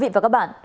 xin chào các bạn